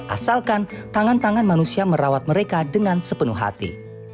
asalkan tangan tangan manusia merawat mereka dengan sepenuh hati